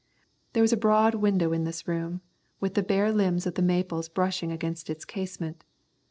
There was a broad window in this room, with the bare limbs of the maples brushing against its casement.